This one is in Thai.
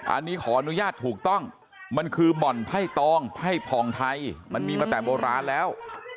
อันนี้ขออนุญาตถูกต้องมันคือบ่อนไพ่ตองไพ่ผ่องไทยมันมีมาแต่โบราณแล้ว